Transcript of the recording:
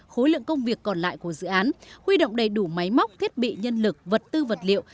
khối lượng công việc còn lại của dự án huy động đầy đủ máy móc thiết bị nhân lực vật tư vật liệu